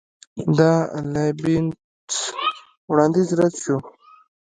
د لایبینټس وړاندیز رد شو.